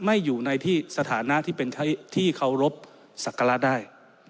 ไม่อยู่ในสถานะที่เขารบศักราชได้